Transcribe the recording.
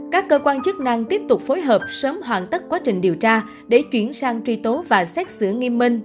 các cơ quan chức năng tiếp tục phối hợp sớm hoàn tất quá trình điều tra để chuyển sang truy tố và xét xử nghiêm minh